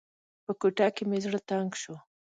په کوټه کې مې زړه تنګ شو.